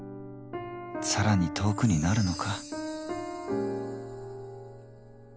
更に遠くになるのか。